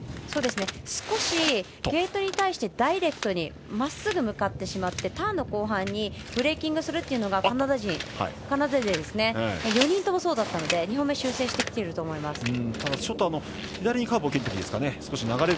少しゲートに対してダイレクトにまっすぐ向かってしまってターンの後半にブレーキングするというのがカナダ勢４人ともそうだったので２本目、修正してきてると思います。